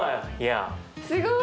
すごい！